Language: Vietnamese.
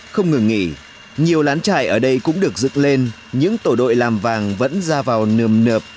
không ngừng nghỉ nhiều lán trải ở đây cũng được dựng lên những tổ đội làm vàng vẫn ra vào nườm nợp